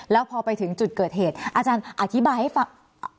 แล้วพอไปถึงจุดเกิดเหตุอาจารย์อธิบายให้ฟัง